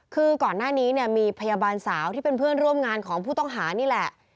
คือก่อนหน้านี้เนี่ยมีพยาบาลสาวที่เป็นเพื่อนร่วมงานของผู้ต้องหานี่แหละ